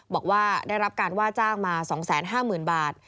บอกว่าได้รับการว่าจ้างมา๒๕๐๐๐บาท